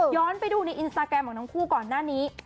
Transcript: ไปดูในอินสตาแกรมของทั้งคู่ก่อนหน้านี้